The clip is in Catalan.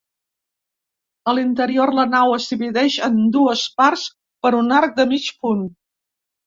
A l'interior, la nau es divideix en dues partes per un arc de mig punt.